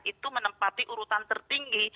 itu menempati urutan tertinggi